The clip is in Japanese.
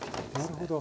なるほど。